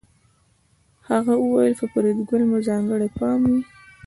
هغه وویل په فریدګل مو ځانګړی پام وي